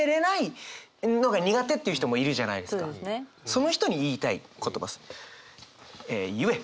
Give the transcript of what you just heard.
その人に言いたい言葉です。